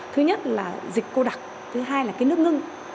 thứ nhất là dịch cô đặc thứ hai là cái nước ngưng